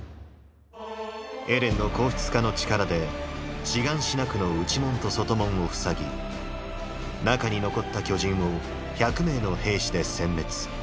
エレンの硬質化の力でシガンシナ区の内門と外門を塞ぎ中に残った巨人を１００名の兵士で殲滅。